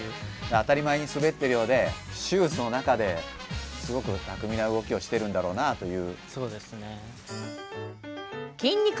当たり前のように滑っているようでシューズの中ですごく巧みな動きをしているんだろうなという。